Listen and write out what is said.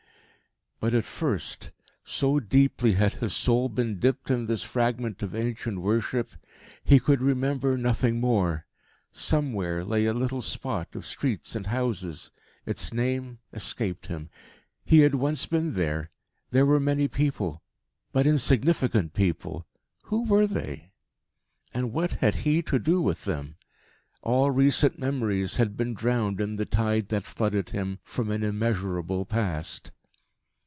But at first, so deeply had his soul been dipped in this fragment of ancient worship, he could remember nothing more. Somewhere lay a little spot of streets and houses; its name escaped him. He had once been there; there were many people, but insignificant people. Who were they? And what had he to do with them? All recent memories had been drowned in the tide that flooded him from an immeasurable Past.